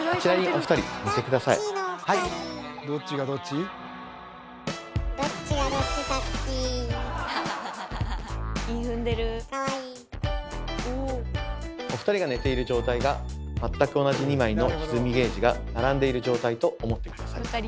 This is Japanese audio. お二人が寝ている状態が全く同じ２枚のひずみゲージが並んでいる状態と思って下さい。